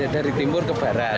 dari timur ke barat